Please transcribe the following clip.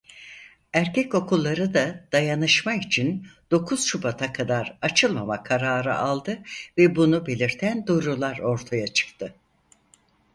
Erkek okulları da dayanışma için dokuz Şubat'a kadar açılmama kararı aldı ve bunu belirten duyurular ortaya çıktı.